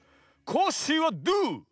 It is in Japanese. コッシーはドゥ？